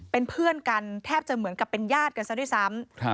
เป็นเพื่อนกันแทบจะเหมือนกับเป็นญาติกันซะด้วยซ้ำ